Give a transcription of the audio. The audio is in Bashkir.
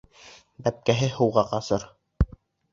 Бәпкәһе һыуға ҡасыр.